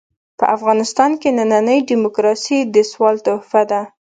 په افغانستان کې ننۍ ډيموکراسي د سوال تحفه ده.